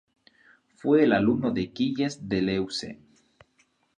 Fue el alumno de Gilles Deleuze.